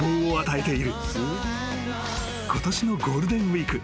［ことしのゴールデンウイーク］